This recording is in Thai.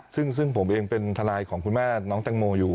ซึ่งผมเองเป็นทนายของคุณแม่น้องแตงโมอยู่